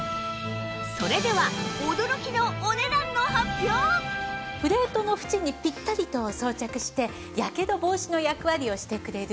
それではプレートのふちにピッタリと装着してやけど防止の役割をしてくれるグリルガードと。